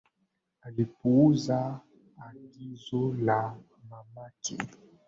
Alipuuza agizo la mamake